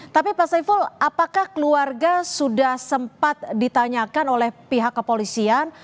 tapi pak saiful apakah keluarga sudah sempat ditanyakan oleh pihak kepolisian